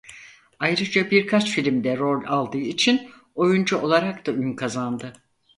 Ayrıca birkaç filmde rol aldığı için oyuncu olarak da ün kazandı.